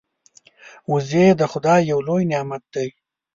وزې د خدای یو لوی نعمت دی